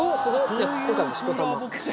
じゃあ今回もしこたま。